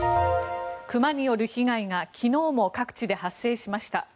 熊による被害が昨日も各地で発生しました。